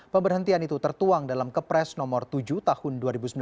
pemberhentian itu tertuang dalam kepres nomor tujuh tahun dua ribu sembilan belas